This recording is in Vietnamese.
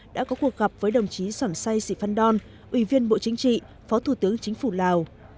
đã có cuộc gặp với đồng chí sỏn say sì phan đon ủy viên bộ chính trị phó thủ tướng chính phủ lào